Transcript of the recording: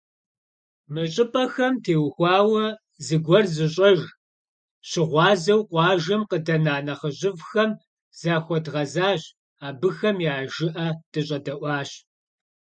Мы щӏыпӏэхэм теухуауэ зыгуэр зыщӏэж, щыгъуазэу къуажэм къыдэна нэхъыжьыфӏхэм захуэдгъэзащ, абыхэм я жыӏэ дыщӏэдэӏуащ.